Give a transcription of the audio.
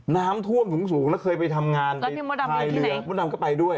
น้ำท่วมสูงสูงแล้วเคยไปทำงานแล้วพี่โมดำอยู่ที่ไหนโมดำก็ไปด้วย